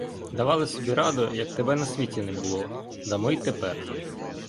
Давали собі раду, як тебе на світі не було, дамо й тепер.